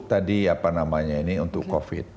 tadi apa namanya ini untuk covid